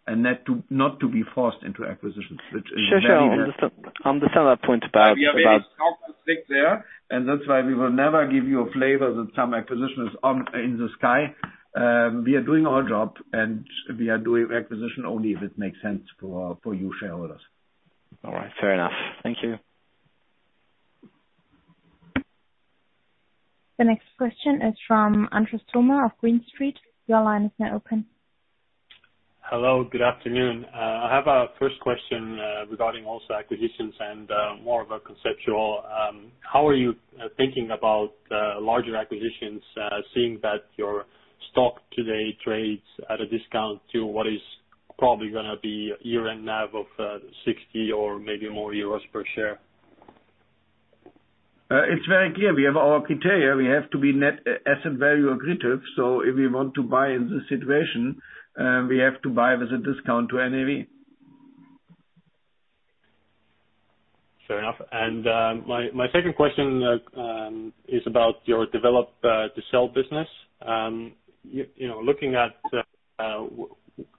and not to be forced into acquisitions. Sure. I understand that point about- We are very cautious there, and that's why we will never give you a flavor that some acquisition is in the sky. We are doing our job, and we are doing acquisition only if it makes sense for you shareholders. All right. Fair enough. Thank you. The next question is from Andres Toome of Green Street. Hello, good afternoon. I have a first question regarding also acquisitions and more of a conceptual. How are you thinking about larger acquisitions, seeing that your stock today trades at a discount to what is probably going to be year-end NAV of 60 or maybe more euros per share? It's very clear. We have our criteria. We have to be net asset value accretive. If we want to buy in this situation, we have to buy with a discount to NAV. Fair enough. My second question is about your develop to sell business. Looking at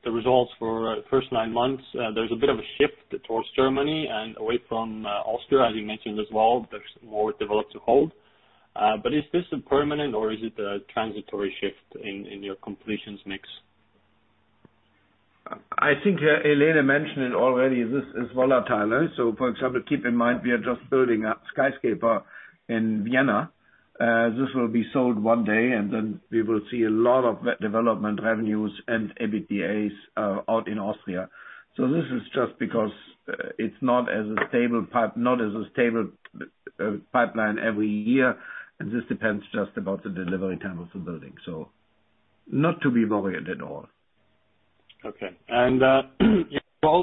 the results for the first nine months, there's a bit of a shift towards Germany and away from Austria, as you mentioned as well. There's more develop to hold. Is this a permanent or is it a transitory shift in your completions mix? I think Helene mentioned it already. This is volatile. For example, keep in mind, we are just building a skyscraper in Vienna. This will be sold one day, and then we will see a lot of development revenues and EBITDAs out in Austria. This is just because it's not as a stable pipeline every year, and this depends just about the delivery time of the building. Not to be worried at all. Okay.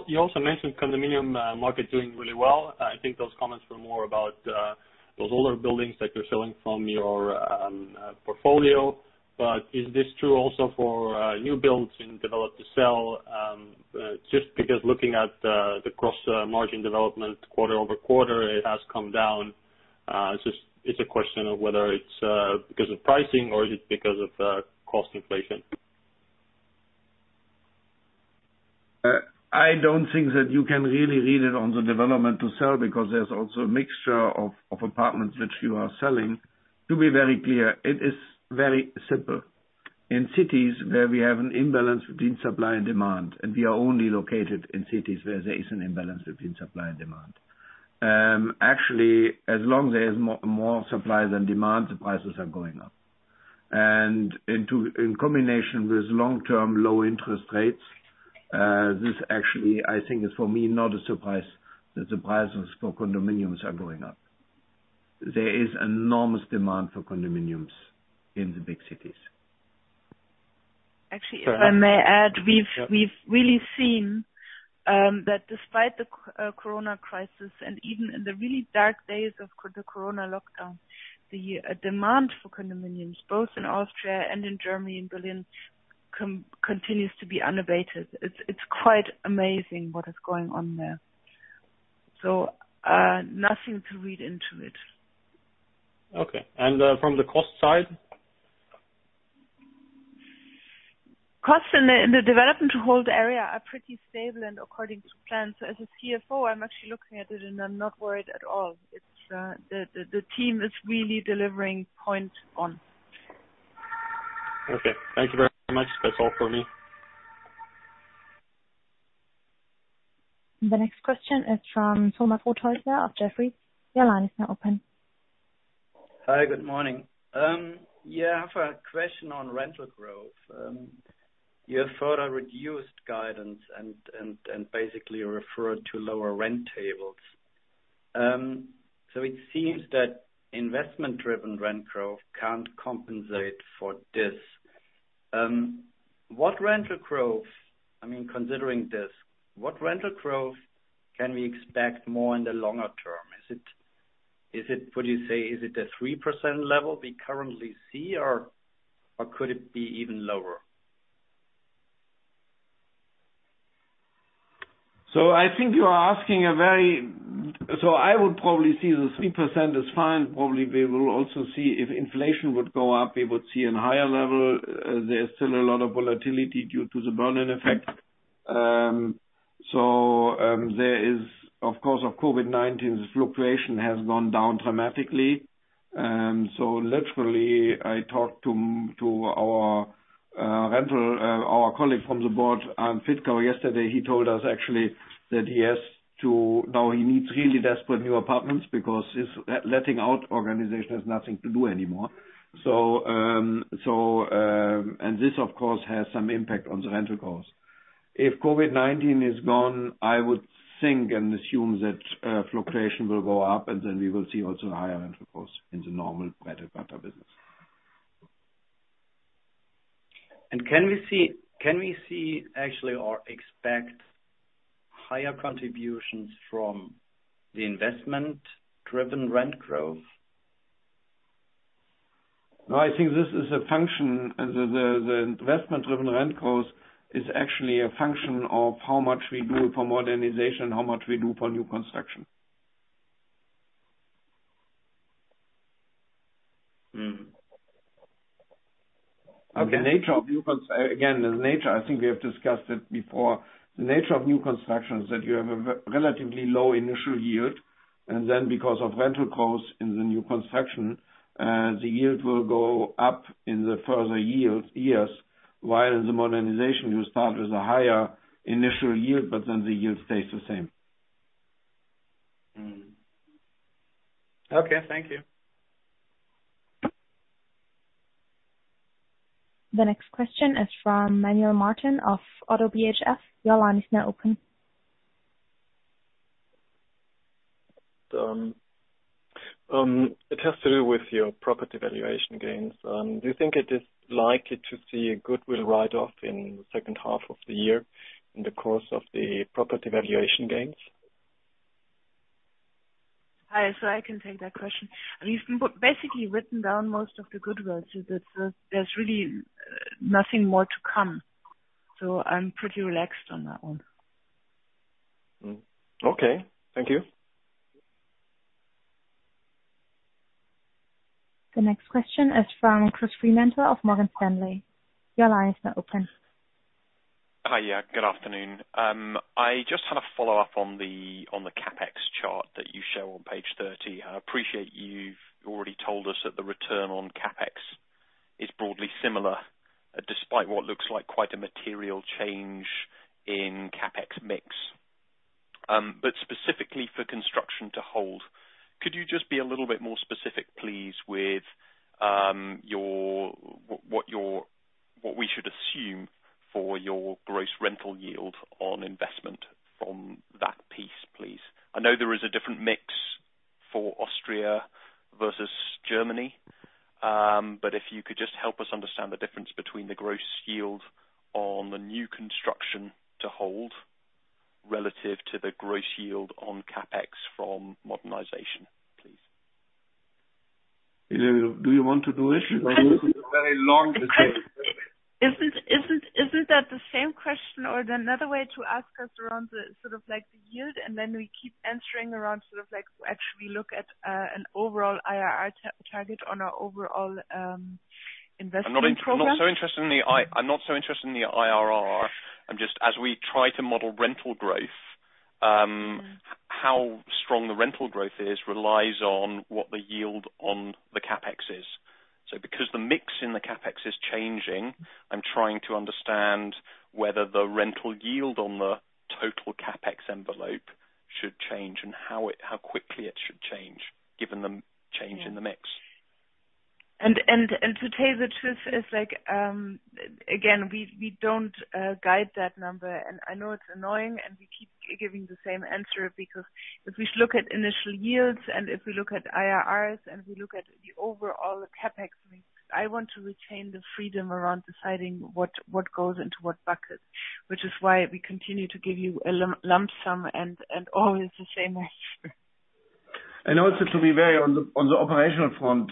You also mentioned condominium market doing really well. I think those comments were more about those older buildings that you're selling from your portfolio. Is this true also for new builds in develop to sell? Just because looking at the gross margin development quarter-over-quarter, it has come down. It's a question of whether it's because of pricing or is it because of cost inflation. I don't think that you can really read it on the development to sell because there's also a mixture of apartments which you are selling. To be very clear, it is very simple. In cities where we have an imbalance between supply and demand, and we are only located in cities where there is an imbalance between supply and demand. Actually, as long as there is more supply than demand, the prices are going up. In combination with long-term low interest rates, this actually, I think is for me, not a surprise that the prices for condominiums are going up. There is enormous demand for condominiums in the big cities. Actually, if I may add, we've really seen that despite the Corona crisis and even in the really dark days of the Corona lockdown, the demand for condominiums, both in Austria and in Germany, in Berlin, continues to be unabated. It's quite amazing what is going on there. Nothing to read into it. Okay. From the cost side? Costs in the development to hold area are pretty stable and according to plan. As a CFO, I'm actually looking at it and I'm not worried at all. The team is really delivering point on. Okay. Thank you very much. That's all for me. The next question is from Thomas Rothäusler of Jefferies. Your line is now open. Hi, good morning. I have a question on rental growth. You have further reduced guidance and basically referred to lower rent tables. It seems that investment driven rent growth can't compensate for this. Considering this, what rental growth can we expect more in the longer term? Would you say is it a 3% level we currently see, or could it be even lower? I think you are asking, I would probably see the 3% is fine. Probably we will also see if inflation would go up, we would see a higher level. There's still a lot of volatility due to the Berlin effect. There is, of course, of COVID-19, this fluctuation has gone down dramatically. Literally, I talked to our rental, our colleague from the board, Arnd Fittkau, yesterday. He told us actually that now he needs really desperate new apartments because his letting out organization has nothing to do anymore. This, of course, has some impact on the rental cost. If COVID-19 is gone, I would think and assume that fluctuation will go up, and then we will see also higher rental cost in the normal better business. Can we see actually or expect higher contributions from the investment driven rent growth? I think this is a function. The investment driven rent cost is actually a function of how much we do for modernization, how much we do for new construction. I think we have discussed it before. The nature of new construction is that you have a relatively low initial yield, and then because of rental costs in the new construction, the yield will go up in the further years. While in the modernization, you start with a higher initial yield, but then the yield stays the same. Mm-hmm. Okay. Thank you. The next question is from Manuel Martin of ODDO BHF. Your line is now open. It has to do with your property valuation gains. Do you think it is likely to see a goodwill write-off in the second half of the year in the course of the property valuation gains? Hi. I can take that question. We've basically written down most of the goodwill, so there's really nothing more to come. I'm pretty relaxed on that one. Okay. Thank you. The next question is from Christopher Fremantle of Morgan Stanley. Your line is now open. Hi. Good afternoon. I just had a follow-up on the CapEx chart that you show on page 30. I appreciate you've already told us that the return on CapEx is broadly similar, despite what looks like quite a material change in CapEx mix. Specifically for construction to hold, could you just be a little bit more specific, please, with what we should assume for your gross rental yield on investment from that piece, please? I know there is a different mix for Austria versus Germany. If you could just help us understand the difference between the gross yield on the new construction to hold relative to the gross yield on CapEx from modernization, please. Helene, do you want to do it? This is a very long debate. Isn't that the same question or another way to ask us around the yield and then we keep answering around to actually look at an overall IRR target on our overall investment program? I'm not so interested in the IRR. As we try to model rental growth, how strong the rental growth is relies on what the yield on the CapEx is. Because the mix in the CapEx is changing, I'm trying to understand whether the rental yield on the total CapEx envelope should change and how quickly it should change given the change in the mix. To tell you the truth is, again, we don't guide that number. I know it's annoying, and we keep giving the same answer because if we look at initial yields and if we look at IRRs and we look at the overall CapEx mix, I want to retain the freedom around deciding what goes into what bucket, which is why we continue to give you a lump sum and always the same answer. Also to be very on the operational front,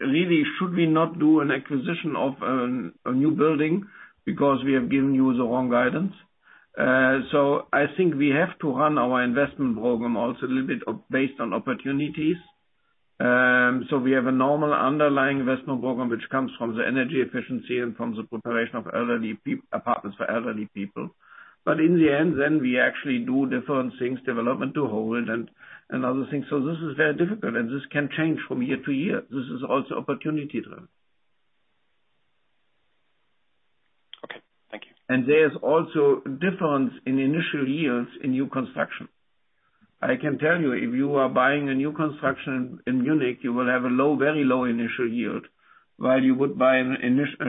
really should we not do an acquisition of a new building because we have given you the wrong guidance. I think we have to run our investment program also a little bit based on opportunities. We have a normal underlying investment program, which comes from the energy efficiency and from the preparation of apartments for elderly people. In the end, we actually do different things, development to hold and other things. This is very difficult, and this can change from year to year. This is also opportunity-driven. Okay. Thank you. There is also a difference in initial yields in new construction. I can tell you, if you are buying a new construction in Munich, you will have a very low initial yield. While you would buy a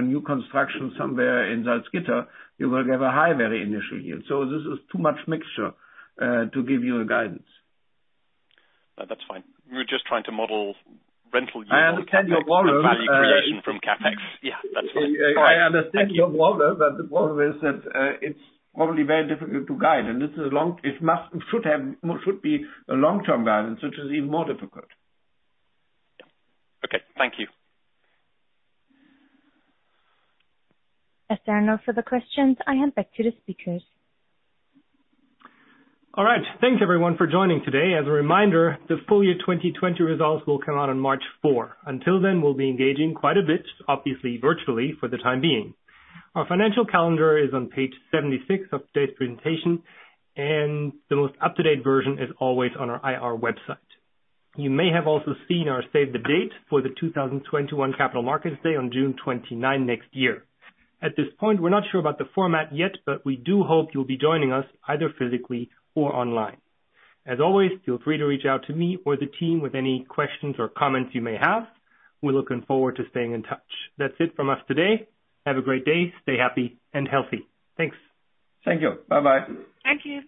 new construction somewhere in Salzgitter, you will have a high very initial yield. This is too much mixture to give you a guidance. No, that's fine. We were just trying to model rental yield- I understand your model. Value creation from CapEx. Yeah, that's fine. All right. Thank you. I understand your model, the problem is that it's probably very difficult to guide. It should be a long-term guidance, which is even more difficult. Okay. Thank you. As there are no further questions, I hand back to the speakers. All right. Thank you everyone for joining today. As a reminder, the full year 2020 results will come out on March 4. Until then, we'll be engaging quite a bit, obviously virtually for the time being. Our financial calendar is on page 76 of today's presentation, and the most up-to-date version is always on our IR website. You may have also seen our save the date for the 2021 Capital Markets Day on June 29 next year. At this point, we're not sure about the format yet, but we do hope you'll be joining us either physically or online. As always, feel free to reach out to me or the team with any questions or comments you may have. We're looking forward to staying in touch. That's it from us today. Have a great day. Stay happy and healthy. Thanks. Thank you. Bye-bye. Thank you.